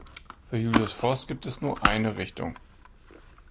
Für Julius Voß gibt es nur eine Richtung.